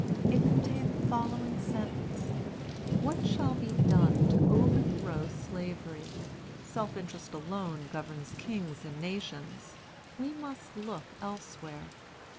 It contained the following sentence: "What shall be done to overthrow Slavery? Self interest alone governs kings and nations. We must look elsewhere.